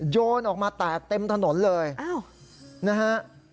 โยนออกมาแตกเต็มถนนเลยนะฮะ